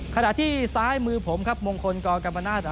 ขณะที่ซ้ายมือผมครับมงคลกรกรรมนาศ